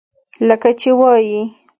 لکه چې وائي: